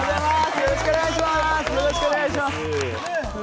よろしくお願いします。